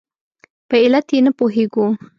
په علت یې نه پوهېږو.